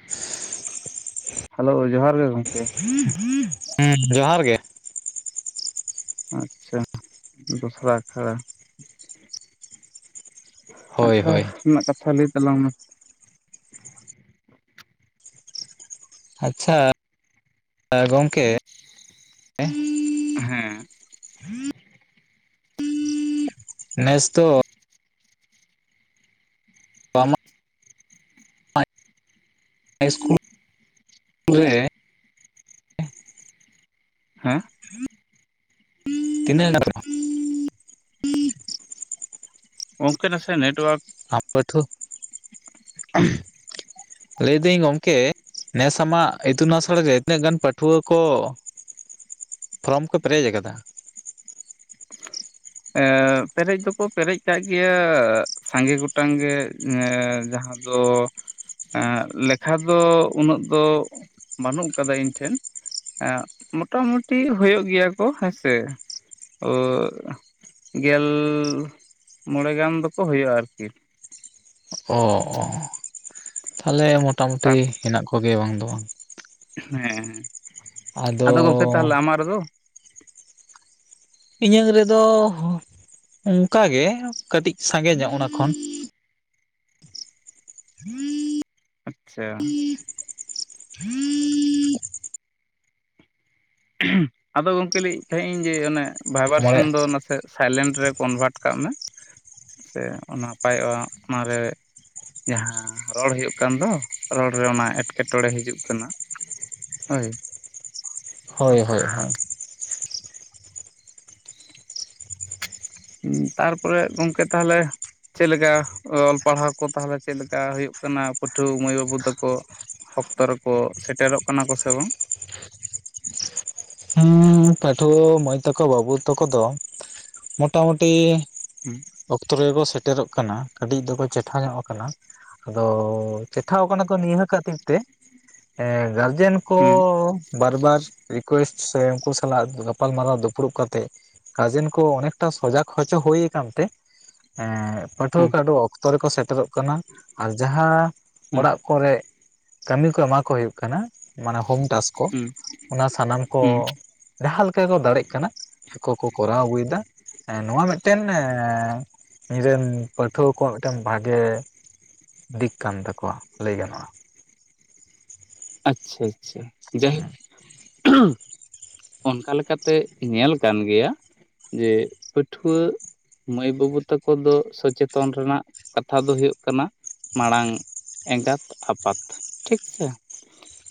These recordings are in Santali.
[inaudible] ᱦᱮᱞᱳ ᱡᱚᱦᱟᱨ ᱜᱮ ᱜᱚᱢᱠᱮ ᱦᱮᱸ ᱡᱚᱦᱟᱨ ᱜᱮ ᱟᱪᱪᱷᱟ ᱫᱚᱥᱨᱟ ᱟᱠᱷᱲᱟ ᱦᱳᱭ ᱟᱠᱷᱲᱟ ᱦᱳᱭ ᱨᱮᱱᱟᱜ ᱠᱟᱛᱷᱟ ᱞᱟᱹᱭ ᱛᱟᱞᱟᱝ ᱢᱮ ᱟᱪᱪᱷᱟ ᱜᱚᱝᱠᱮ ᱦᱮᱸ ᱱᱮᱥ ᱛᱚ ᱟᱢᱟᱜ ᱱᱮᱥ ᱠᱩᱲ ᱨᱮ ᱦᱮᱸ ᱛᱤᱱᱟ ᱜᱟᱱ ᱜᱚᱢᱠᱮ ᱱᱟᱥᱮ ᱱᱮᱴᱣᱟᱨᱠ ᱟ ᱯᱟᱹᱴᱷᱣᱟᱹ ᱞᱟᱹᱭ ᱫᱟᱹᱧ ᱜᱚᱝᱠᱮ ᱱᱮᱥᱟᱜ ᱤᱛᱩᱱ ᱟᱥᱲᱟ ᱨᱮ ᱛᱤᱱᱟᱹᱜ ᱜᱟᱱ ᱯᱟᱹᱴᱷᱩᱣᱟᱹ ᱠᱚ ᱯᱷᱨᱚᱢ ᱠᱚ ᱯᱮᱨᱮᱡ ᱟᱠᱟᱫᱟ ᱮ ᱯᱮᱨᱮᱡ ᱫᱚᱠᱚ ᱯᱮᱨᱮᱡ ᱠᱟᱜ ᱜᱮᱭᱟ ᱥᱟᱸᱜᱮ ᱜᱚᱴᱟᱝ ᱜᱮ ᱡᱟᱦᱟᱸ ᱫᱚ ᱞᱮᱠᱷᱟ ᱫᱚ ᱩᱱᱟᱹᱜ ᱫᱚ ᱵᱟᱹᱱᱩᱜ ᱠᱟᱫᱟ ᱤᱧ ᱴᱷᱮᱱ ᱢᱚᱴᱟᱢᱩᱴᱤ ᱦᱩᱭᱩᱜ ᱜᱮᱭᱟ ᱠᱚ ᱦᱮᱸᱥᱮ ᱚ ᱜᱮᱞ ᱢᱚᱬᱮ ᱜᱟᱱ ᱫᱚᱠᱚ ᱦᱩᱭᱩᱜᱼᱟ ᱟᱨᱠᱤ ᱚ ᱛᱟᱦᱚᱞᱮ ᱢᱚᱴᱟ ᱢᱩᱴᱤ ᱦᱮᱱᱟᱜ ᱠᱚᱜᱮ ᱵᱟᱝ ᱫᱚ ᱵᱟᱝ ᱦᱮᱸᱮ ᱟᱫᱚ ᱜᱚᱢᱠᱮ ᱛᱟᱦᱚᱞᱮ ᱟᱢᱟᱜ ᱨᱮᱫᱚ ᱤᱧᱟᱹᱝ ᱨᱮᱫᱚ ᱚᱱᱠᱟ ᱜᱮ ᱠᱟᱹᱴᱤᱡ ᱥᱟᱸᱜᱮ ᱧᱚᱜ ᱚᱱᱟ ᱠᱷᱚᱱ ᱦᱩᱸ ᱟᱪᱪᱷᱟ ᱟᱫᱚ ᱜᱚᱝᱠᱮ ᱞᱟᱹᱭᱮᱫ ᱛᱟᱦᱮᱸᱜ ᱤᱧ ᱡᱮ ᱚᱱᱮ ᱢᱚᱬᱮ ᱵᱷᱟᱭᱵᱟᱨᱥᱟᱱ ᱫᱚ ᱱᱟᱥᱮ ᱥᱟᱭᱞᱮᱱᱴ ᱨᱮ ᱠᱚᱱᱵᱷᱟᱨᱴ ᱠᱟᱜ ᱢᱮ ᱥᱮ ᱱᱟᱯᱟᱭᱚᱜᱼᱟ ᱚᱱᱟᱨᱮ ᱡᱟᱦᱟᱸ ᱨᱚᱲ ᱦᱩᱭᱩᱜ ᱠᱟᱱ ᱫᱚ ᱨᱚᱲ ᱨᱮ ᱚᱱᱟ ᱮᱸᱴᱠᱮᱴᱚᱬᱮ ᱦᱤᱡᱩᱜ ᱠᱟᱱᱟ᱾ ᱦᱳᱭ ᱦᱳᱭ ᱦᱳᱭ ᱦᱳᱭ ᱦᱩ ᱛᱟᱨᱯᱚᱨᱮ ᱜᱚᱢᱠᱮ ᱛᱟᱦᱞᱮ ᱪᱮᱫ ᱞᱮᱠᱟ ᱚᱞ ᱯᱟᱲᱦᱟᱣ ᱠᱚ ᱛᱟᱦᱚᱞᱮ ᱪᱮᱫ ᱞᱮᱠᱟ ᱦᱩᱭᱩᱜ ᱠᱟᱱᱟ ᱯᱟᱹᱴᱷᱩᱣᱟᱹ ᱢᱟᱹᱭ ᱵᱟᱹᱵᱩ ᱛᱟᱠᱚ? ᱚᱠᱛᱚ ᱨᱮᱠᱚ ᱥᱮᱴᱮᱨᱚᱜ ᱠᱟᱱᱟ ᱠᱚ ᱥᱮ ᱵᱟᱝ?? ᱦᱮᱸ ᱯᱟᱹᱴᱷᱩᱣᱟᱹ ᱢᱟᱹᱭ ᱛᱟᱠᱚ ᱵᱟᱹᱵᱩ ᱛᱟᱠᱚ ᱫᱚ ᱢᱚᱴᱟᱢᱩᱴᱤ ᱦᱩᱸ ᱚᱠᱛᱚ ᱨᱮᱜᱮᱠᱚ ᱥᱮᱴᱮᱨᱚᱜ ᱠᱟᱱᱟ ᱠᱟᱹᱴᱤᱡ ᱫᱚᱠᱚ ᱪᱮᱴᱷᱟ ᱧᱚᱜ ᱟᱠᱟᱱᱟ᱾ ᱟᱫᱚ ᱪᱮᱴᱷᱟᱣ ᱠᱟᱱᱟ ᱠᱚ ᱱᱤᱭᱟᱹ ᱠᱷᱟᱹᱛᱤᱨ ᱛᱮ ᱜᱟᱨᱡᱮᱱ ᱠᱚ ᱦᱩᱸ ᱵᱟᱨ ᱵᱟᱨ ᱨᱤᱠᱳᱭᱮᱥᱴ ᱥᱮ ᱩᱱᱠᱩ ᱥᱟᱞᱟᱜ ᱜᱟᱯᱟᱞ ᱢᱟᱨᱟᱣ ᱫᱩᱯᱲᱩᱵ ᱠᱟᱛᱮᱜ ᱜᱟᱨᱡᱮᱱ ᱠᱚ ᱚᱱᱮᱠᱴᱟ ᱥᱚᱡᱟᱠ ᱦᱚᱪᱚ ᱦᱩᱭ ᱠᱟᱱᱛᱮ ᱮᱸᱻ ᱯᱟᱹᱴᱷᱩᱣᱟᱹ ᱦᱩᱸ ᱠᱚ ᱟᱰᱩ ᱚᱠᱛᱚ ᱨᱮᱠᱚ ᱥᱮᱴᱮᱨᱚᱜ ᱠᱟᱱᱟ ᱟᱨ ᱡᱟᱦᱟ ᱦᱩᱸ ᱚᱲᱟᱜ ᱠᱚᱨᱮ ᱠᱟᱢᱤ ᱠᱚ ᱮᱢᱟ ᱠᱚ ᱦᱩᱭᱩᱜ ᱠᱟᱱᱟ ᱢᱟᱱᱮ ᱦᱳᱢ ᱴᱟᱥ ᱠᱚ ᱦᱩᱸ ᱚᱱᱟ ᱥᱟᱱᱟᱢ ᱠᱚ ᱦᱩᱸ ᱡᱟᱦᱟ ᱞᱮᱠᱟ ᱠᱚ ᱫᱟᱲᱮᱜ ᱠᱟᱱᱟ, ᱠᱚᱠᱚ ᱠᱚᱨᱟᱣ ᱟᱹᱜᱩᱭᱮᱫᱟ ᱮ ᱱᱚᱣᱟ ᱢᱮᱜᱴᱮᱱ ᱤᱧᱨᱮᱱ ᱯᱟᱹᱴᱷᱩᱣᱟᱹ ᱠᱚᱣᱟᱜ ᱢᱤᱫᱴᱟᱝ ᱵᱷᱟᱜᱮ ᱫᱤᱠ ᱠᱟᱱ ᱛᱟᱠᱚᱣᱟ ᱞᱟᱹᱭ ᱜᱟᱱᱚᱜᱼᱟ᱾ ᱟᱪᱪᱷᱟ ᱟᱪᱪᱷᱟ ᱡᱟᱭᱦᱳᱠ ᱚᱱᱠᱟ ᱞᱮᱠᱟᱛᱮ ᱧᱮᱞ ᱠᱟᱱ ᱜᱮᱭᱟ ᱡᱮ ᱯᱟᱹᱴᱷᱩᱣᱟᱹ ᱢᱟᱹᱭ ᱵᱟᱹᱵᱩ ᱛᱟᱠᱚ ᱫᱚ ᱥᱚᱪᱮᱛᱚᱱ ᱨᱮᱱᱟᱜ ᱠᱟᱛᱷᱟ ᱫᱚ ᱦᱳᱭᱳᱜ ᱠᱟᱱᱟ ᱢᱟᱲᱟᱝ ᱮᱸᱜᱟᱛ ᱟᱯᱟᱛ ᱴᱷᱤᱠ ᱥᱮ?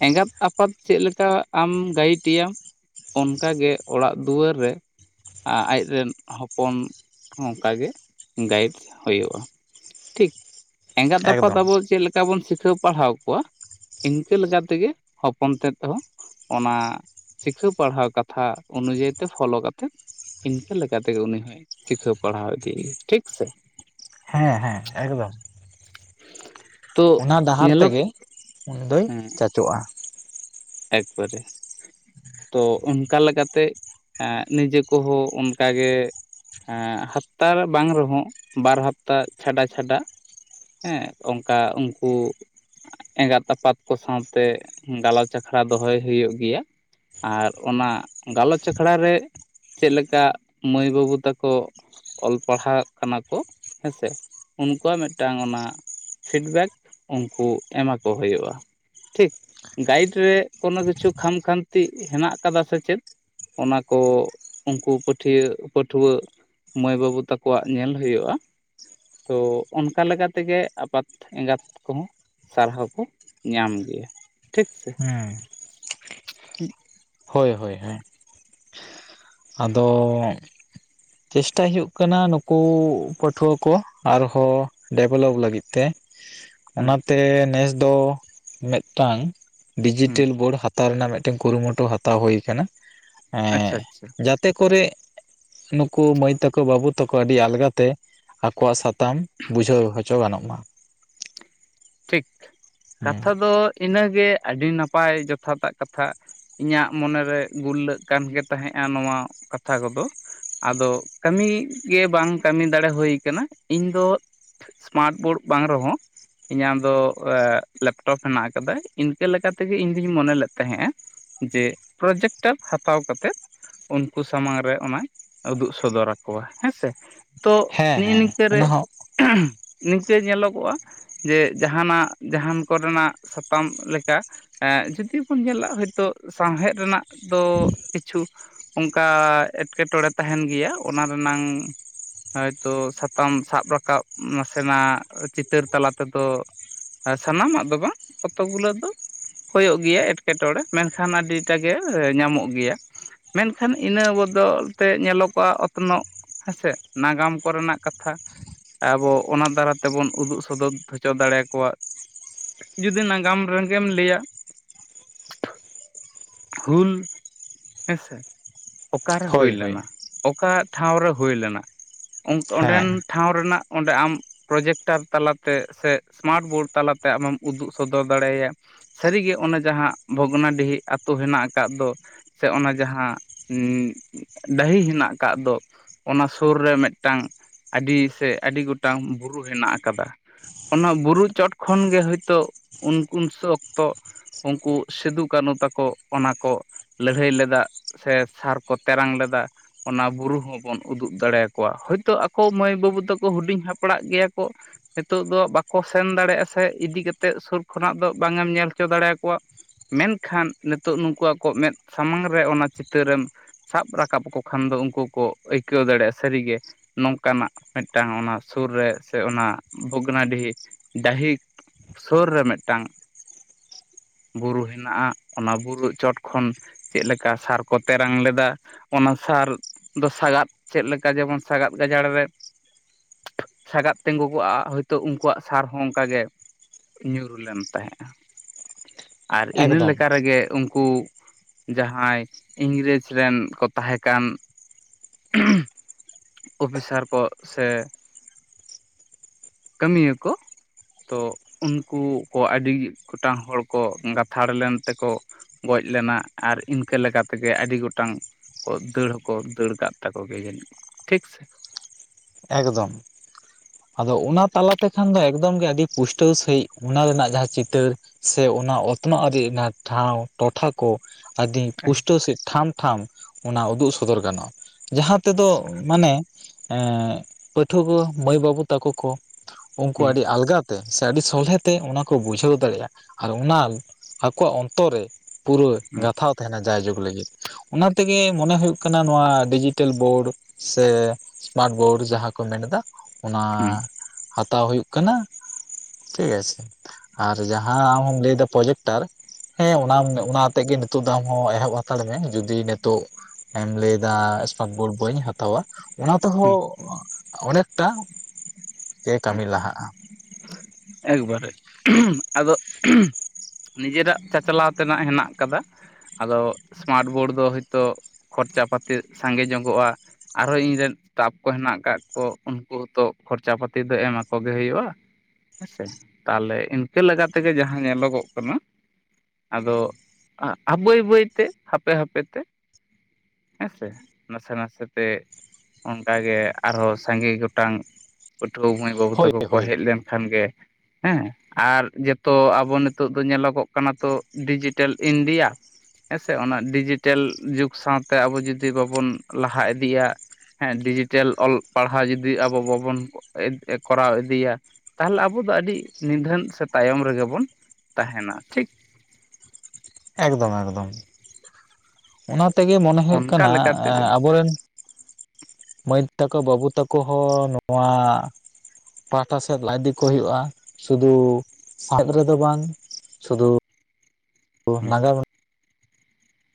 ᱮᱸᱜᱟᱛ ᱟᱯᱟᱛ ᱪᱮᱫ ᱞᱮᱠᱟ ᱟᱢ ᱜᱟᱭᱤᱴ ᱮᱭᱟᱢ ᱚᱱᱠᱟᱟᱜ ᱜᱮ ᱚᱲᱟᱜ ᱫᱩᱣᱟᱹᱨ ᱨᱮ ᱟ ᱟᱡᱨᱮᱱ ᱦᱚᱯᱚᱱ ᱦᱚᱸ ᱚᱱᱠᱟ ᱜᱮ ᱜᱟᱭᱤᱰᱥ ᱦᱳᱭᱳᱜᱼᱟ᱾ ᱴᱷᱤᱠ ᱮᱸᱜᱟᱛ ᱟᱯᱟᱛ ᱮᱠᱫᱚᱢ ᱟᱵᱚ ᱪᱮᱫᱞᱠᱟ ᱵᱚᱱ ᱥᱤᱠᱷᱟᱹᱣ ᱯᱟᱲᱦᱟᱣ ᱠᱚᱣᱟ ᱤᱱᱠᱟᱹ ᱞᱮᱠᱟ ᱛᱮᱜᱮ ᱦᱚᱯᱚᱱ ᱛᱮᱫ ᱦᱚᱸ ᱚᱱᱟ ᱥᱤᱠᱷᱟᱹᱣ ᱯᱟᱲᱦᱟᱣ ᱠᱟᱛᱷᱟ ᱚᱱᱩᱡᱟᱭᱤ ᱛᱮ ᱯᱷᱚᱞᱳ ᱠᱟᱛᱮ ᱤᱱᱠᱟᱹ ᱞᱮᱠᱟᱛᱮᱜᱮ ᱩᱱᱤ ᱦᱚᱭ ᱥᱤᱠᱷᱟᱹᱣ ᱯᱟᱲᱦᱟᱣ ᱤᱫᱤᱭ ᱭᱟ ᱴᱷᱤᱠ ᱥᱮ? ᱦᱮᱸ ᱦᱮᱸ ᱮᱠᱫᱚᱢ᱾ ᱛᱚ ᱚᱱᱟ ᱰᱟᱦᱟᱨ ᱧᱮᱞᱚᱜ ᱛᱮᱜᱮ ᱩᱱᱤ ᱫᱚᱭ ᱪᱟᱪᱳᱜᱼᱟ᱾ ᱮᱠᱵᱟᱹᱨᱮ᱾ ᱛᱚ ᱚᱱᱠᱟ ᱞᱮᱠᱟᱛᱮ ᱮᱸ ᱱᱤᱡᱮ ᱠᱚᱦᱚᱸ ᱚᱱᱠᱟᱜᱮ ᱮᱸ ᱦᱟᱯᱛᱟ ᱵᱟᱝ ᱨᱮᱦᱚᱸ ᱵᱟᱨ ᱦᱟᱯᱛᱟ ᱪᱷᱟᱰᱟ ᱪᱷᱟᱰᱟ ᱮᱸ ᱚᱝᱠᱟ ᱩᱝᱠᱩ ᱮᱸᱜᱟᱛ ᱟᱯᱟᱛ ᱠᱚ ᱥᱟᱶᱛᱮ ᱜᱟᱞᱚᱪ ᱟᱠᱷᱲᱟ ᱫᱚᱦᱚᱭ ᱦᱩᱭᱩᱜ ᱜᱮᱭᱟ ᱟᱨ ᱚᱱᱟ ᱜᱟᱞᱚᱪ ᱟᱠᱷᱲᱟ ᱨᱮ ᱪᱮᱫ ᱞᱮᱠᱟ ᱢᱟᱹᱭ ᱵᱟᱹᱵᱩ ᱛᱟᱠᱚ ᱚᱞ ᱯᱟᱲᱦᱟᱜ ᱠᱟᱱᱟ ᱠᱚ ᱦᱮᱸᱥᱮ ᱩᱱᱠᱩᱣᱟᱜ ᱢᱤᱫᱴᱟᱝ ᱚᱱᱟ ᱯᱷᱤᱰᱵᱮᱠ ᱩᱱᱠᱩ ᱮᱢᱟ ᱠᱚ ᱦᱳᱭᱳᱜᱼᱟ ᱴᱷᱤᱠ ᱜᱟᱭᱤᱰ ᱛᱮ ᱠᱳᱱᱳ ᱠᱤᱪᱷᱩ ᱠᱷᱟᱢ ᱠᱷᱟᱢᱛᱤ ᱦᱮᱱᱟᱜ ᱟᱠᱟᱫᱟ ᱥᱮ ᱪᱮᱫ, ᱚᱱᱟᱠᱚ ᱩᱱᱠᱩ ᱯᱟᱹᱴᱷᱤᱭᱟᱹ ᱯᱟᱹᱴᱷᱩᱣᱟᱹ ᱢᱟᱹᱭ ᱵᱟᱹᱵᱩ ᱛᱟᱠᱚᱣᱟᱜ ᱧᱮᱞ ᱦᱩᱭᱩᱜᱼᱟ᱾ ᱛᱚ ᱚᱱᱠᱟ ᱞᱮᱠᱟ ᱛᱮᱜᱮ ᱟᱯᱟᱛ ᱮᱸᱜᱟᱛ ᱠᱚᱦᱚᱸ ᱥᱟᱨᱦᱟᱣ ᱠᱚ ᱧᱟᱢ ᱜᱮᱭᱟ ᱴᱷᱤᱠ ᱥᱮ᱾ ᱦᱮᱸ ᱦᱳᱭ ᱦᱳᱭ ᱦᱮᱸ ᱟᱫᱚ ᱪᱮᱥᱴᱟ ᱦᱩᱭᱩᱜ ᱠᱟᱱᱟ ᱱᱩᱠᱩ ᱯᱟᱹᱴᱷᱩᱣᱟᱹ ᱠᱚ ᱟᱨ ᱦᱚᱸ ᱰᱮᱵᱷᱞᱚᱯ ᱞᱟᱹᱜᱤᱫ ᱛᱮ᱾ ᱦᱮᱸ ᱚᱱᱟᱛᱮ ᱱᱮᱥ ᱫᱚ ᱢᱤᱫᱴᱟᱝ ᱦᱮᱸ ᱰᱤᱡᱤᱴᱮᱞ ᱵᱳᱨᱰ ᱦᱟᱛᱼ ᱦᱟᱛᱟᱣ ᱨᱮᱱᱟᱜ ᱢᱤᱫᱴᱮᱱ ᱠᱩᱨᱩᱢᱩᱴᱩ ᱦᱟᱛᱟᱣ ᱦᱩᱭ ᱟᱠᱟᱱᱟ ᱟᱪᱪᱷᱟ ᱮᱸ ᱟᱪᱪᱷᱟ ᱡᱟᱛᱮ ᱠᱚᱨᱮ ᱱᱩᱠᱩ ᱢᱟᱹᱭ ᱛᱟᱠᱚ ᱵᱟᱹᱵᱩ ᱛᱟᱠᱚ ᱟᱹᱰᱤ ᱟᱞᱜᱟ ᱛᱮ ᱟᱠᱚᱣᱟᱜ ᱥᱟᱛᱟᱢ ᱵᱩᱡᱷᱟᱹᱣ ᱦᱚᱪᱚ ᱜᱟᱱᱚᱜ ᱢᱟ ᱴᱷᱤᱠ ᱦᱮᱸ ᱠᱟᱛᱷᱟ ᱫᱚ ᱤᱱᱟᱹᱜᱮ ᱟᱹᱰᱤ ᱱᱟᱯᱟᱭ ᱡᱚᱛᱷᱟᱛᱟᱜ ᱠᱟᱛᱷᱟ ᱤᱧᱟᱹᱜ ᱢᱚᱱᱮᱨᱮ ᱜᱩᱨᱞᱟᱹᱜ ᱠᱟᱱ ᱜᱮ ᱛᱟᱦᱮᱸᱫᱼᱟ ᱱᱚᱣᱟ ᱠᱟᱛᱷᱟ ᱠᱚᱫᱚ ᱟᱫᱚ ᱠᱟᱹᱢᱤ ᱜᱮ ᱵᱟᱝ ᱠᱟᱹᱢᱤ ᱫᱟᱲᱮ ᱦᱩᱭ ᱟᱠᱟᱱᱟ ᱤᱧ ᱫᱚ [unintelligible] ᱵᱳᱨᱰ ᱵᱟᱝ ᱨᱮᱦᱚᱸ ᱤᱧᱟᱹᱜ ᱫᱚ ᱞᱮᱯᱴᱚᱯ ᱦᱮᱱᱟᱜ ᱟᱠᱟᱫᱟ ᱤᱱᱠᱟᱹ ᱞᱮᱠᱟ ᱛᱮᱜᱮ ᱤᱧ ᱫᱩᱧ ᱢᱚᱱᱮ ᱞᱮᱫ ᱛᱟᱦᱮᱸᱜᱼᱟ ᱡᱮ ᱯᱨᱚᱡᱮᱠᱴᱟᱨ ᱦᱟᱛᱟᱣ ᱠᱟᱛᱮᱫ ᱩᱱᱠᱩ ᱥᱟᱢᱟᱝ ᱨᱮ ᱚᱱᱟᱧ ᱩᱫᱩᱜ ᱥᱚᱫᱚᱨ ᱟᱠᱚᱣᱟ ᱦᱮᱸ ᱥᱮ ᱛᱚ [unintelligible] ᱦᱮᱸ ᱦᱮᱸ ᱱᱤᱝᱠᱟᱹ ᱨᱮ ᱚᱱᱟ ᱦᱚᱸ ᱱᱤᱝᱠᱟᱹ ᱧᱮᱞᱚᱜᱚᱜᱼᱟ ᱡᱮ ᱡᱟᱦᱟᱱᱟᱜ ᱡᱟᱦᱟᱱ ᱠᱚᱨᱮᱱᱟᱜ ᱥᱟᱛᱟᱢ ᱞᱮᱠᱟ ᱮᱜ ᱡᱩᱫᱤ ᱵᱚᱱ ᱧᱮᱞᱟ ᱦᱚᱳᱭᱛᱳ ᱥᱟᱶᱦᱮᱫ ᱨᱮᱱᱟᱜ ᱫᱚ ᱠᱤᱪᱷᱩ ᱚᱱᱠᱟ ᱮᱴᱠᱮᱴᱚᱬᱮ ᱛᱟᱦᱮᱱ ᱜᱮᱭᱟ ᱚᱱᱟ ᱨᱮᱱᱟᱝ ᱦᱳᱭᱛᱚ ᱥᱟᱛᱟᱢ ᱥᱟᱵ ᱨᱟᱠᱟᱵ ᱱᱟᱥᱮᱱᱟᱜ ᱪᱤᱛᱟᱹᱨ ᱛᱟᱞᱟ ᱛᱮᱫᱚ ᱥᱟᱱᱟᱢᱟᱜ ᱫᱚ ᱵᱟᱝ ᱠᱚᱛᱚ ᱜᱩᱞᱟᱹ ᱫᱚ ᱦᱩᱭᱩᱜ ᱜᱮᱭᱟ ᱮᱴᱠᱮᱴᱚᱬᱮ ᱢᱮᱱᱠᱷᱟᱱ ᱟᱹᱰᱤᱴᱟᱜᱮ ᱧᱟᱢᱚᱜ ᱜᱮᱭᱟ ᱢᱮᱱᱠᱷᱟᱱ ᱤᱱᱟᱹ ᱵᱚᱫᱚᱞ ᱛᱮ ᱧᱮᱞᱚᱜᱚᱜᱼᱟ ᱚᱛᱱᱚᱜ ᱦᱮᱸᱥᱮ ᱱᱟᱜᱟᱢ ᱠᱚᱨᱮᱱᱟᱜ ᱠᱟᱛᱷᱟ ᱟᱵᱚ ᱚᱱᱟ ᱫᱟᱨᱟ ᱛᱮᱵᱚᱱ ᱩᱫᱩᱜ ᱥᱚᱫᱚᱨ ᱦᱚᱪᱚ ᱫᱟᱲᱮᱭᱟᱠᱚᱣᱟ ᱡᱩᱫᱤ ᱱᱟᱜᱟᱢ ᱨᱮᱜᱮᱢ ᱞᱟᱹᱭᱟ ᱦᱩᱞ ᱦᱮᱸ ᱥᱮ ᱚᱠᱟᱨᱮ ᱦᱩᱭ ᱦᱳᱭ ᱦᱳᱭ ᱞᱮᱱᱟ ᱚᱠᱟ ᱴᱷᱟᱶ ᱨᱮ ᱦᱩᱭ ᱞᱮᱱᱟ ᱚᱸᱰᱮᱱ ᱦᱮᱸ ᱴᱷᱟᱶ ᱨᱮᱱᱟᱜ ᱚᱸᱰᱮ ᱟᱢ ᱯᱨᱚᱡᱮᱠᱴᱟᱨ ᱛᱟᱞᱟᱛᱮ ᱥᱮ ᱥᱢᱟᱨᱴ ᱵᱳᱨᱰ ᱛᱟᱞᱟᱛᱮ ᱟᱢᱮᱢ ᱩᱫᱩᱜ ᱥᱚᱫᱚᱨ ᱫᱟᱲᱮᱭᱟᱭᱟ ᱥᱟᱹᱨᱤ ᱜᱮ ᱚᱱᱮ ᱡᱟᱦᱟᱸ ᱵᱷᱚᱜᱽᱱᱟᱰᱤᱦᱤ ᱟᱛᱳ ᱦᱮᱱᱟᱜ ᱟᱠᱟᱫ ᱫᱚ ᱥᱮ ᱚᱱᱟ ᱡᱟᱦᱟᱸ ᱰᱟᱹᱦᱤ ᱦᱮᱱᱟᱜ ᱟᱠᱟᱫ ᱫᱚ ᱚᱱᱟ ᱥᱩᱨ ᱨᱮ ᱢᱤᱫᱴᱟᱝ ᱟᱹᱰᱤ ᱥᱮ ᱟᱹᱰᱤ ᱜᱚᱴᱟᱝ ᱵᱩᱨᱩ ᱦᱮᱱᱟᱜ ᱟᱠᱟᱫᱟ ᱚᱱᱟ ᱵᱩᱨᱩ ᱪᱚᱴ ᱠᱷᱚᱱ ᱜᱮ ᱦᱳᱭᱛᱳ [unintelligible] ᱚᱠᱛᱚ ᱩᱱᱠᱩ ᱥᱤᱫᱩ ᱠᱟᱹᱱᱦᱩ ᱛᱟᱠᱚ ᱚᱱᱟ ᱠᱚ ᱞᱟᱹᱲᱦᱟᱹᱭ ᱞᱮᱫᱟ ᱥᱮ ᱥᱟᱨ ᱠᱚ ᱛᱮᱨᱟᱝ ᱞᱮᱫᱟ ᱚᱱᱟ ᱵᱩᱨᱩ ᱦᱚᱸ ᱵᱚᱱ ᱩᱫᱩᱜ ᱫᱟᱲᱮ ᱭᱟᱠᱚᱣᱟ ᱦᱚᱳᱭᱛᱳ ᱟᱠᱚ ᱢᱟᱹᱭ ᱵᱟᱹᱵᱩ ᱛᱟᱠᱚ ᱦᱩᱰᱤᱧ ᱦᱟᱯᱲᱟᱜ ᱜᱮᱭᱟ ᱠᱚ ᱱᱤᱛᱚᱜ ᱫᱚ ᱵᱟᱠᱚ ᱥᱮᱱ ᱫᱟᱲᱮᱭᱟᱜᱼᱟ ᱥᱮ ᱤᱫᱤ ᱠᱟᱛᱮᱫ ᱥᱩᱨ ᱠᱷᱚᱱᱟᱜ ᱫᱚ ᱵᱟᱝ ᱮᱢ ᱧᱮᱞ ᱦᱚᱪᱚ ᱫᱟᱲᱮ ᱭᱟᱠᱚᱣᱟ ᱢᱮᱱᱠᱷᱟᱱ ᱱᱤᱛᱚᱜ ᱱᱩᱠᱩᱣᱟᱜ ᱠᱚ ᱢᱮᱫ ᱥᱟᱢᱟᱝ ᱨᱮ ᱚᱱᱟ ᱪᱤᱛᱟᱹᱨᱮᱢ ᱥᱟᱵ ᱨᱟᱠᱟᱵ ᱠᱚ ᱠᱷᱟᱱ ᱫᱚ ᱩᱱᱠᱩ ᱠᱚ ᱟᱹᱭᱠᱟᱹᱣ ᱫᱟᱲᱮ ᱭᱟᱜᱼᱟ ᱥᱟᱹᱨᱤ ᱜᱮ ᱱᱚᱝᱠᱟᱱᱟᱜ ᱢᱤᱫᱴᱟᱝ ᱚᱱᱟ ᱥᱩᱨ ᱨᱮ ᱥᱮ ᱚᱱᱟ ᱵᱷᱚᱜᱽᱱᱟᱰᱤ ᱰᱟᱹᱦᱤ ᱥᱩᱨ ᱨᱮ ᱢᱤᱫᱴᱟᱝ ᱵᱩᱨᱩ ᱦᱮᱱᱟᱜᱼᱟ ᱚᱱᱟ ᱵᱩᱨᱩ ᱪᱚᱴ ᱠᱷᱚᱱ ᱪᱮᱫ ᱞᱮᱠᱟ ᱥᱟᱨ ᱠᱚ ᱛᱮᱨᱟᱝ ᱞᱮᱫᱟ ᱚᱱᱟ ᱥᱟᱨ ᱫᱚ ᱥᱟᱜᱟᱫ ᱪᱮᱫ ᱞᱮᱠᱟ ᱡᱮᱢᱚᱱ ᱥᱟᱜᱟᱫ ᱜᱟᱡᱟᱲ ᱨᱮ ᱥᱟᱜᱟᱫ ᱛᱤᱸᱜᱩ ᱠᱚᱜᱼᱟ ᱦᱳᱭᱛᱳ ᱩᱱᱠᱩ ᱣᱟᱜ ᱥᱟᱨ ᱦᱚᱸ ᱚᱱᱠᱟ ᱜᱮ ᱧᱩᱨ ᱞᱮᱱ ᱛᱟᱦᱮᱸᱼᱟ ᱟᱨ ᱤᱱᱟᱹ ᱮᱠᱫᱚᱢ ᱞᱮᱠᱟ ᱨᱮᱜᱮ ᱩᱱᱠᱩ ᱡᱟᱦᱟᱸᱭ ᱤᱝᱨᱮᱡᱽ ᱨᱮᱱ ᱠᱚ ᱛᱟᱦᱮᱸ ᱠᱟᱱ ᱚᱯᱷᱤᱥᱟᱨ ᱠᱚ ᱥᱮ ᱠᱟᱹᱢᱤᱭᱟ ᱠᱚ ᱛᱚ ᱩᱱᱠᱩ ᱠᱚ ᱟᱹᱰᱤ ᱜᱚᱴᱟᱝ ᱦᱚᱲ ᱠᱚ ᱜᱟᱛᱷᱟᱲ ᱞᱮᱱ ᱛᱮᱸᱠᱚ ᱜᱚᱡ ᱞᱮᱱᱟ ᱟᱨ ᱤᱱᱠᱟᱹ ᱞᱮᱠᱟ ᱛᱮᱸᱜᱮ ᱟᱹᱰᱤ ᱜᱚᱴᱟᱝ ᱫᱟᱹᱲ ᱦᱚᱸᱠᱚ ᱫᱟᱹᱲ ᱠᱟᱜ ᱛᱟᱠᱚ ᱜᱮᱭᱟ ᱡᱟᱹᱱᱤᱡ ᱴᱷᱤᱠ ᱥᱮ ᱮᱠᱫᱚᱢ ᱟᱫᱚ ᱚᱱᱟ ᱛᱟᱞᱟ ᱛᱮ ᱠᱷᱟᱱ ᱫᱚ ᱮᱠᱫᱚᱢ ᱜᱮ ᱟᱹᱰᱤ ᱯᱩᱥᱴᱟᱹᱣ ᱥᱟᱺᱦᱤᱡᱽ ᱚᱱᱟ ᱨᱮᱱᱟᱜ ᱡᱟᱦᱟᱸ ᱪᱤᱛᱟᱹᱨ ᱥᱮ ᱚᱱᱟ ᱚᱛᱱᱚᱜ ᱟᱹᱨᱤ ᱨᱮᱱᱟᱜ ᱴᱷᱟᱶ ᱴᱚᱴᱷᱟ ᱠᱚ ᱟᱹᱰᱤ ᱯᱩᱥᱴᱟᱹᱣ ᱥᱮᱫ ᱴᱷᱟᱢ ᱴᱷᱟᱢ ᱚᱱᱟ ᱩᱫᱩᱜ ᱥᱚᱫᱚᱨ ᱜᱟᱱᱚᱜᱼᱟ ᱡᱟᱦᱟᱸ ᱛᱮᱫᱚ ᱢᱟᱹᱱᱮ ᱯᱟᱹᱴᱷᱩᱣᱟᱹ ᱢᱟᱹᱭ ᱵᱟᱹᱵᱩ ᱛᱟᱠᱚ ᱠᱚ ᱩᱱᱠᱩ ᱦᱩᱸ ᱟᱹᱰᱤ ᱟᱞᱜᱟᱛ ᱛᱮ ᱥᱮ ᱟᱹᱰᱤ ᱥᱚᱞᱦᱮ ᱛᱮ ᱚᱱᱟ ᱠᱚ ᱵᱩᱡᱷᱟᱹᱣ ᱫᱟᱲᱮᱭᱟᱜᱼᱟ ᱟᱨ ᱚᱱᱟ ᱟᱠᱚᱣᱟᱜ ᱚᱱᱛᱚᱨ ᱨᱮ ᱯᱩᱨᱟᱹ ᱦᱩᱸ ᱜᱟᱛᱷᱟᱼᱣ ᱛᱟᱦᱮᱱᱟᱹ ᱡᱟᱭᱡᱩᱜᱽ ᱞᱟᱹᱜᱤᱫ ᱚᱱᱟ ᱛᱮᱹᱜᱮ ᱢᱚᱱᱮ ᱦᱩᱭᱩᱜ ᱠᱟᱱᱟ ᱱᱚᱣᱟ ᱰᱤᱡᱤᱴᱮᱞ ᱵᱳᱲ ᱥᱮ ᱮᱥᱢᱟᱨᱴ ᱵᱳᱲ ᱡᱟᱦᱟᱸ ᱠᱚ ᱢᱮᱱ ᱮᱫᱟ ᱦᱩᱸ ᱚᱱᱟ ᱦᱟᱛᱟᱣ ᱦᱩᱭᱩᱜᱹ ᱠᱟᱱᱟ ᱴᱷᱤᱠ ᱟᱪᱷᱮ ᱟᱨ ᱡᱟᱦᱟᱸ ᱟᱢ ᱦᱚᱢ ᱞᱟᱹᱭᱮᱫᱟ ᱯᱨᱚᱡᱮᱠᱴᱟᱨ ᱦᱮᱸ ᱚᱱᱟ ᱚᱱᱟ ᱛᱮᱜᱮ ᱱᱤᱛᱚᱜ ᱫᱚ ᱟᱢ ᱦᱚᱸ ᱮᱦᱚᱵᱽ ᱦᱟᱛᱟᱹᱲ ᱢᱮ ᱡᱚᱫᱤ ᱱᱤᱛᱚᱜ ᱮᱢ ᱞᱟᱹᱭᱮᱫᱟ ᱮᱥᱢᱟᱨᱴ ᱵᱳᱲ ᱵᱟᱹᱧ ᱦᱟᱛᱟᱣᱼᱟ᱾ ᱚᱱᱟ ᱦᱩᱸ ᱛᱮᱦᱚᱸ ᱚᱱᱮᱠᱴᱟ ᱜᱮ ᱠᱟᱹᱢᱤ ᱞᱟᱦᱟᱜᱼᱟ ᱮᱠᱹᱵᱟᱨᱮ ᱟ ᱫᱚ ᱱᱤᱡᱮᱨᱟᱜ ᱪᱟᱹᱪᱞᱟᱣ ᱛᱮᱱᱟᱜ ᱦᱮᱱᱟᱜ ᱟᱠᱟᱫᱟ ᱟᱫᱚ ᱮᱥᱢᱟᱨᱴ ᱵᱳᱲ ᱫᱚ ᱦᱳᱭᱛᱳ ᱠᱷᱚᱨᱪᱟ ᱯᱟᱛᱤ ᱥᱟᱸᱜᱮ ᱧᱚᱜᱚᱜᱼᱟ ᱟᱨᱦᱚᱸ ᱤᱧ ᱨᱮᱱ ᱮᱥᱴᱟᱯᱷ ᱠᱚ ᱦᱮᱱᱟᱜ ᱠᱟᱜ ᱠᱚ ᱩᱱᱠᱩ ᱦᱚᱛᱚ ᱠᱷᱚᱨᱪᱟ ᱯᱟᱹᱛᱤ ᱫᱚ ᱮᱢᱟᱠᱚ ᱜᱮ ᱦᱩᱭᱩᱜᱼᱟ ᱦᱮᱸᱥᱮ ᱛᱟᱦᱚᱸᱞᱮ ᱤᱱᱠᱟᱹ ᱞᱮᱠᱟ ᱛᱮ ᱜᱮ ᱡᱟᱦᱟᱸ ᱧᱮᱞᱚᱜ ᱚᱜ ᱠᱟᱱᱟ ᱟᱼᱫᱚ ᱵᱟᱹᱭ ᱵᱟᱹᱭᱛᱮ ᱦᱟᱯᱮ ᱦᱟᱯᱮ ᱛᱮ ᱦᱮᱸ ᱥᱮ ᱱᱟᱥᱮ ᱱᱟᱥᱮ ᱛᱮ ᱚᱱᱠᱟ ᱜᱮ ᱟᱨᱦᱚᱸ ᱥᱟᱸᱜᱮ ᱜᱚᱴᱟᱝ ᱯᱟᱹᱴᱷᱩᱣᱟᱹ ᱢᱟᱹᱭ ᱵᱟᱹᱵᱩ ᱦᱳᱭ ᱛᱟᱠᱚ ᱠᱚ ᱦᱳᱭ ᱦᱮᱡᱽ ᱞᱮᱱ ᱠᱷᱟᱱᱹ ᱜᱮ ᱦᱮᱸ ᱟᱨ ᱡᱚᱛᱚ ᱟᱵᱚ ᱱᱤᱛᱚᱜ ᱫᱚ ᱧᱮᱞᱚᱜᱚᱼᱜ ᱠᱟᱱᱟ ᱛᱚ ᱰᱤᱡᱤᱴᱮᱞ ᱤᱱᱰᱤᱭᱟᱹ ᱦᱮᱸᱥᱮ ᱚᱱᱟ ᱰᱤᱡᱤᱴᱮᱞ ᱡᱩᱜᱽ ᱥᱟᱶᱛᱮ ᱟᱵᱚ ᱡᱩᱫᱤ ᱵᱟᱹᱵᱚᱱ ᱞᱟᱦᱟ ᱤᱫᱤᱭᱼᱟ ᱦᱮᱸ ᱰᱤᱡᱤᱴᱮᱞ ᱚᱞ ᱯᱟᱲᱦᱟᱣ ᱡᱩᱫᱤ ᱟᱵᱚ ᱵᱟᱵᱚᱱ ᱮᱰ ᱠᱚᱨᱟᱣ ᱤᱫᱤᱭᱟ ᱛᱟᱦᱚᱸᱞᱮ ᱟᱵᱚ ᱟᱸᱵᱚ ᱫᱚ ᱟᱹᱰᱤ ᱱᱤᱫᱷᱟᱹᱱ ᱥᱮ ᱛᱟᱭᱚᱢ ᱨᱮᱹᱜᱮ ᱵᱚᱱ ᱛᱟᱦᱮᱱᱟᱹ ᱴᱷᱤᱠ ᱮᱠᱫᱚᱢ ᱮᱠᱫᱚᱢ ᱚᱱᱟ ᱛᱮᱜᱮ ᱢᱚᱱᱮ ᱦᱩᱭᱩᱜ ᱚᱱᱠᱟ ᱠᱟᱱᱟ ᱞᱮᱠᱟ ᱛᱮᱜᱮ ᱟᱵᱚ ᱨᱮᱱ ᱢᱟᱹᱭ ᱛᱟᱠᱚ ᱵᱟᱹᱵᱩ ᱛᱟᱠᱚ ᱦᱚᱸ ᱱᱚᱸᱣᱟ ᱯᱟᱦᱟᱴᱟ ᱥᱮᱫ ᱞᱟ ᱤᱫᱤ ᱠᱚ ᱦᱩᱭᱩᱜᱼᱟ ᱥᱩᱫᱩ ᱥᱟᱵᱽ ᱨᱮᱫᱚ ᱵᱟᱝ ᱥᱩᱫᱩ ᱛᱚ ᱦᱮᱸ ᱱᱟᱜᱟᱢ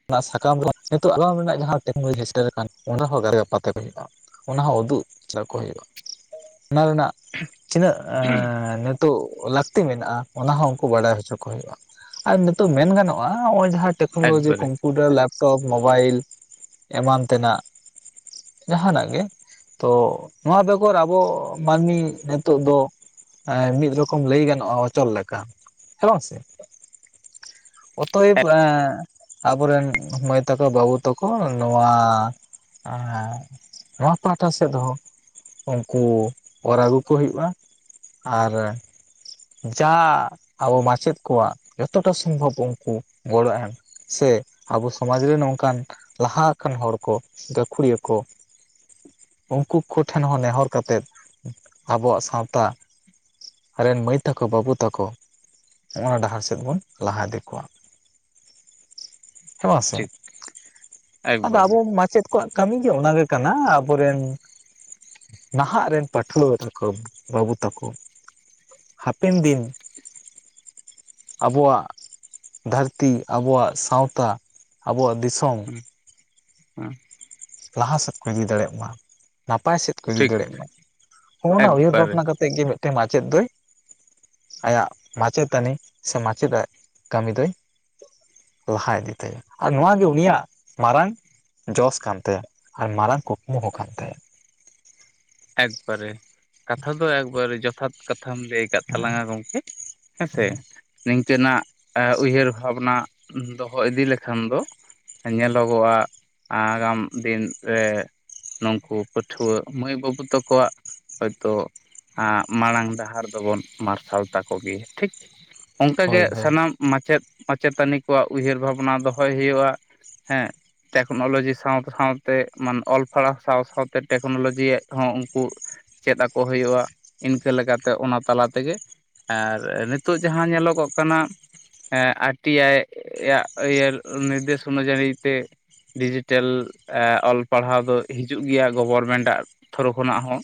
ᱚᱱᱟ ᱥᱟᱠᱟᱢ ᱨᱮ ᱱᱤᱛᱚᱜ ᱟᱞᱟᱢ ᱨᱮᱱᱟᱜ ᱡᱟᱦᱟᱸ ᱴᱮᱠᱱᱳᱞᱚᱡᱤ ᱥᱮᱴᱮᱨ ᱟᱠᱟᱱ ᱚᱱᱟ ᱦᱚᱸ [unintelligible] ᱦᱩᱭᱩᱜᱼᱟ ᱚᱱᱟ ᱦᱚᱸ ᱩᱫᱩᱜ ᱟᱠᱚ ᱦᱩᱭᱩᱜᱼᱟ ᱚᱱᱟ ᱨᱮᱱᱟᱜ ᱛᱤᱱᱟᱹᱜ ᱦᱮᱸ ᱛᱚ ᱞᱟᱹᱠᱛᱤ ᱢᱮᱱᱟᱜᱼᱟ ᱚᱱᱟ ᱦᱚᱸ ᱩᱱᱠᱩ ᱵᱟᱰᱟᱭ ᱦᱚᱪᱚ ᱠᱚ ᱦᱩᱭᱩᱜᱼᱟ ᱟᱨ ᱱᱤᱛᱚᱜ ᱢᱮᱱ ᱜᱟᱱᱚᱜᱼᱟ ᱱᱚᱜ ᱚᱭ ᱡᱟᱦᱟᱸ ᱴᱮᱠᱱᱳᱞᱚᱡᱤ ᱮᱠᱵᱟᱨᱮ ᱠᱚᱢᱯᱭᱩᱴᱟᱨ ᱞᱮᱯᱴᱚᱯ ᱢᱳᱵᱟᱭᱤᱞ ᱮᱢᱟᱱ ᱛᱮᱱᱟᱜ ᱡᱟᱦᱟᱱᱟᱜ ᱜᱮ ᱛᱚ ᱱᱚᱣᱟ ᱵᱮᱜᱚᱨ ᱟᱵᱚ ᱢᱟᱹᱱᱢᱤ ᱱᱤᱛᱚᱜ ᱫᱚ ᱮᱸ ᱢᱤᱫ ᱨᱚᱠᱚᱢ ᱞᱟᱹᱭ ᱜᱟᱱᱚᱜᱼᱟ ᱚᱪᱚᱞ ᱞᱮᱠᱟ ᱦᱮᱸ ᱵᱟᱝ ᱥᱮ ᱚᱠᱚᱭ ᱮᱸ ᱟᱵᱚᱨᱮᱱ ᱢᱟᱹᱭ ᱛᱟᱠᱚ ᱵᱟᱹᱵᱩ ᱛᱟᱠᱚ ᱱᱚᱣᱟ ᱮᱸ ᱱᱚᱣᱟ ᱯᱟᱦᱴᱟ ᱥᱮᱫᱽ ᱦᱚᱸ ᱩᱱᱠᱩ ᱚᱨ ᱟᱹᱜᱩ ᱠᱚ ᱦᱩᱭᱩᱜᱼᱟ ᱟᱨ ᱡᱟ ᱟᱵᱚ ᱢᱟᱪᱮᱫ ᱠᱚᱣᱟᱜ ᱡᱚᱛᱚᱴᱟ ᱥᱚᱢᱵᱷᱚᱵ ᱩᱱᱠᱩ ᱜᱚᱲᱚ ᱮᱢ ᱥᱮ ᱟᱵᱚ ᱥᱚᱢᱟᱡ ᱨᱮᱱ ᱱᱚᱝ ᱠᱟᱱ ᱞᱟᱦᱟ ᱟᱠᱟᱱ ᱦᱚᱲᱹ ᱠᱚ ᱜᱟᱹᱠᱷᱩᱲᱤᱭᱟᱹ ᱠᱚ ᱩᱱᱠᱩ ᱠᱚᱴᱷᱮᱱ ᱦᱚᱸ ᱱᱮᱦᱚᱨ ᱠᱟᱛᱮᱫ ᱟᱵᱚᱣᱟᱜ ᱥᱟᱶᱛᱟ ᱟᱨ ᱨᱮᱱ ᱢᱟᱹᱭ ᱛᱟᱠᱚ ᱵᱟᱹᱵᱩ ᱛᱟᱠᱚ ᱱᱚᱸᱜᱼᱟ ᱰᱟᱦᱟᱨ ᱥᱮᱫ ᱵᱚᱱ ᱞᱟᱦᱟ ᱤᱫᱤ ᱠᱚᱣᱟ ᱦᱮᱸᱵᱟᱝ ᱥᱮ ᱴᱷᱤᱠ ᱟᱫᱚ ᱮᱠᱵᱟᱨᱮ ᱢᱟᱪᱮᱫ ᱚᱠᱟᱜ ᱠᱟᱹᱢᱤ ᱜᱮ ᱚᱱᱟ ᱜᱮ ᱠᱟᱱᱟ ᱟᱵᱚᱨᱮᱱ ᱱᱟᱦᱟᱜ ᱨᱮᱱ ᱯᱟᱹᱴᱷᱩᱣᱟᱹ ᱛᱟᱠᱚ ᱵᱟᱹᱵᱩ ᱛᱟᱠᱚ ᱦᱟᱯᱮᱱ ᱫᱤᱱ ᱟᱵᱚᱣᱟᱜ ᱫᱷᱟᱹᱨᱛᱤ ᱟᱵᱚᱣᱟᱜ ᱥᱟᱶᱛᱟ ᱟᱵᱚᱣᱟᱜ ᱫᱤᱥᱚᱢ ᱦᱩᱸ ᱦᱩᱸ ᱞᱟᱦᱟ ᱥᱮᱫ ᱠᱚ ᱤᱫᱤ ᱫᱟᱲᱮᱭᱟᱜ ᱢᱟ ᱱᱟᱯᱟᱭ ᱥᱮᱫ ᱠᱚ ᱤᱫᱤ ᱴᱷᱤᱠ ᱫᱟᱲᱮᱭᱟᱜ ᱢᱟ ᱚᱱᱟ ᱩᱭᱦᱟᱹᱨ ᱮᱠᱵᱟᱨᱮ ᱵᱷᱟᱵᱽᱱᱟ ᱠᱟᱛᱮᱫ ᱛᱮᱜ ᱜᱮ ᱢᱤᱫᱴᱮᱱ ᱢᱟᱪᱮᱫ ᱫᱚᱭ ᱟᱭᱟᱜ ᱢᱟᱪᱮᱛᱟᱹᱱᱤ ᱥᱮ ᱢᱟᱪᱮᱫᱟᱜ ᱠᱟᱹᱢᱤ ᱫᱚᱭ ᱞᱟᱦᱟ ᱤᱫᱤ ᱛᱟᱭᱟ ᱟᱨ ᱱᱚᱣᱟ ᱜᱮ ᱩᱱᱤᱭᱟᱜ ᱢᱟᱨᱟᱝ ᱡᱚᱥ ᱠᱟᱱ ᱛᱟᱭᱟ ᱟᱨ ᱢᱟᱨᱟᱝ ᱠᱩᱠᱢᱩ ᱦᱚᱸ ᱠᱟᱱ ᱛᱟᱭᱟ ᱮᱠ ᱵᱟᱨᱮ ᱠᱟᱛᱷᱟ ᱫᱚ ᱮᱠᱵᱟᱨᱮ ᱡᱚᱛᱷᱟᱛ ᱠᱟᱛᱷᱟᱢ ᱞᱟᱹᱭ ᱟᱠᱟᱫ ᱦᱮᱸ ᱛᱟᱞᱟᱝᱟ ᱜᱚᱢᱠᱮ ᱦᱮᱸ ᱥᱮ ᱱᱤᱝᱠᱟᱹ ᱱᱟᱜ ᱩᱭᱦᱟᱹᱨ ᱵᱷᱟᱵᱽᱱᱟ ᱫᱚᱦᱚ ᱤᱫᱤ ᱞᱮᱠᱷᱟᱱ ᱫᱚ ᱧᱮᱞᱚᱜᱚᱜᱼᱟ ᱟᱜᱟᱢ ᱫᱤᱱ ᱨᱮ ᱱᱩᱠᱩ ᱯᱟᱹᱴᱷᱩᱣᱟᱹ ᱢᱟᱹᱭ ᱵᱟᱹᱵᱩ ᱛᱟ ᱠᱚᱣᱟᱜ ᱦᱚᱭ ᱛᱳ ᱢᱟᱲᱟᱝ ᱰᱟᱦᱟᱨ ᱫᱚ ᱵᱚᱱ ᱢᱟᱨᱥᱟᱞ ᱛᱟᱠᱚ ᱜᱮ ᱴᱷᱤᱠ, ᱚᱱᱠᱟ ᱜᱮ ᱦᱳᱭ ᱦᱳᱭ ᱥᱟᱱᱟᱢ ᱢᱟᱪᱮᱫ ᱢᱟᱪᱮᱛᱟᱹᱱᱤ ᱠᱚᱣᱟᱜ ᱩᱭᱦᱟᱹᱨ ᱵᱷᱟᱵᱽᱱᱟ ᱫᱚᱦᱚᱭ ᱦᱩᱭᱩᱜᱼᱟ ᱦᱮᱸ ᱴᱮᱠᱱᱚᱞᱚᱡᱤ ᱥᱟᱶᱛᱮ ᱥᱟᱶᱛᱮ ᱢᱟᱱᱮ ᱚᱞ ᱯᱟᱲᱦᱟᱣ ᱥᱟᱶ ᱥᱟᱶᱛᱮ ᱴᱮᱠᱱᱚᱞᱚᱡᱤᱭᱟᱜ ᱦᱚᱸ ᱩᱱᱠᱩ ᱪᱮᱫ ᱟᱠᱚ ᱦᱩᱭᱩᱜᱼᱟ ᱤᱱᱠᱟᱹ ᱞᱮᱠᱟ ᱛᱮ ᱚᱱᱟ ᱛᱟᱞᱟ ᱛᱮ ᱜᱮ ᱟᱨ ᱱᱤᱛᱚᱜ ᱡᱟᱦᱟᱸ ᱧᱮᱞᱚᱜᱚᱜ ᱠᱟᱱᱟ ᱟᱨ. ᱴᱤ. ᱟᱭ. ᱭᱟᱜ ᱱᱤᱨᱫᱮᱥ ᱚᱱᱩ ᱡᱟᱹᱱᱤ ᱛᱮ ᱰᱤᱡᱤᱴᱮᱞ ᱚᱞ ᱯᱟᱲᱦᱟᱣ ᱫᱚ ᱦᱤᱡᱩᱜ ᱜᱮᱭᱟ ᱜᱚᱵᱷᱚᱨᱢᱮᱱᱴᱟᱜ ᱛᱷᱚᱨᱚ ᱠᱷᱚᱱᱟᱜ ᱦᱚᱸ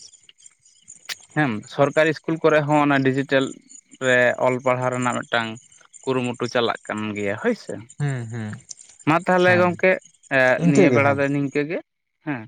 [inaudible] ᱦᱮᱸ ᱥᱚᱨᱠᱟᱨᱤ ᱤᱥᱠᱩᱞ ᱠᱚᱨᱮ ᱦᱚᱸ ᱚᱱᱟ ᱰᱤᱡᱤᱴᱮᱞ ᱨᱮ ᱚᱞ ᱯᱟᱲᱦᱟᱣ ᱨᱮᱱᱟᱜ ᱢᱤᱫᱴᱟᱹᱝ ᱠᱩᱨᱩ-ᱢᱩᱴᱩ ᱪᱟᱞᱟᱜ ᱠᱟᱱ ᱜᱮᱭᱟ ᱦᱚᱭ ᱥᱮ ᱦᱩᱸ ᱦᱩᱸ ᱢᱟ ᱛᱟᱦᱞᱮ ᱦᱮᱸ ᱜᱚᱝᱠᱮ ᱤᱱᱠᱟᱹ ᱱᱤᱭᱟᱹ ᱜᱮ ᱵᱮᱲᱟ ᱦᱮᱸ ᱫᱚ ᱱᱤᱝᱠᱟᱹ ᱜᱮ ᱦᱩᱸ